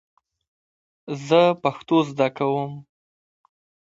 زه پښتو زده کوم .